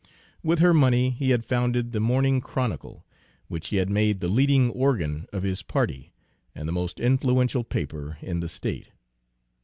With her money he had founded the Morning Chronicle, which he had made the leading organ of his party and the most influential paper in the State.